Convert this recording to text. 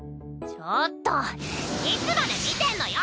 ちょっといつまで見てんのよ！